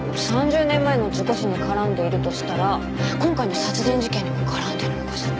３０年前の事故死に絡んでいるとしたら今回の殺人事件にも絡んでいるのかしら？